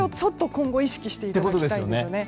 今後は意識していただきたいんですね。